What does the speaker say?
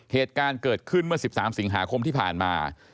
เหตุการณ์เกิดขึ้นเมื่อ๑๓สิงหาคมที่ผ่านมา